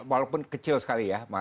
walaupun kecil sekali ya